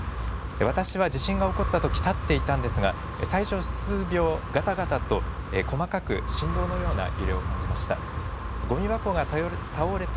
私は地震が起こったとき立っていたんですが、最初数秒、がたがたと細かく振動のような揺れを感じました。